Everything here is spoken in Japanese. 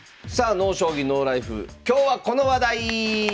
「ＮＯ将棋ＮＯＬＩＦＥ」「今日はこの話題！」。